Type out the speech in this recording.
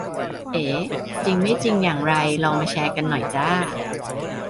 เอ๋ ! ? จริงไม่จริงอย่างไร ลองมาแชร์กันหน่อยจ้า